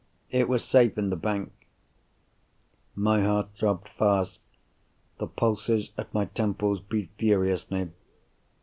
"It was safe in the bank." My heart throbbed fast; the pulses at my temples beat furiously.